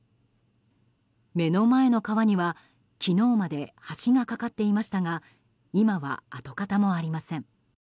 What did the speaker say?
目の前の川には、昨日まで橋が架かっていましたが今は跡形もありません。